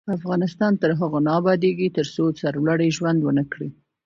افغانستان تر هغو نه ابادیږي، ترڅو سرلوړي ژوند ونه کړو.